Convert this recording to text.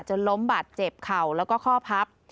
จนล้มบัดเจ็บเข่าและข้อพับ